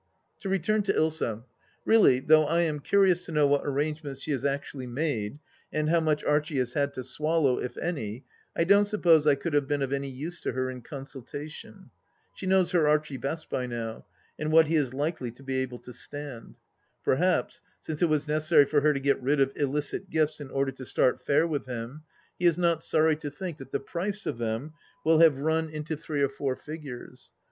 To return to Ilsa. Really, though I am curious to know what arrangements she has actually made, and how much Archie has had to swallow, if any, I don't suppose I could have been of any use to her in consultation. She knows her Archie best by now, and what he is likely to be able to stand. Perhaps, since it was necessary for her to get rid of illicit gifts in order to start fair with him, he is not sorry to think that the price of them will have run into 186 THE LAST DITCH three or four figures.